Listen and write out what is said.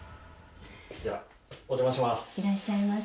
じゃあお邪魔します。